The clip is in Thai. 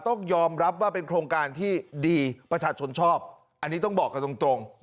ต้องยอมรับว่าเป็นโครงการที่ดีประชาชนชอบอันนี้ต้องบอกกันตรง